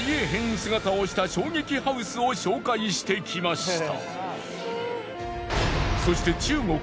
姿をした衝撃ハウスを紹介してきました。